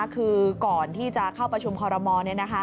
คือก่อนที่จะเข้าประชุมคอรมอล